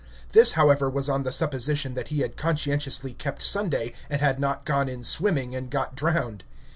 This, however, was on the supposition that he had conscientiously kept Sunday, and had not gone in swimming and got drowned.